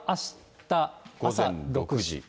午前６時。